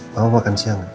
mama makan siang ya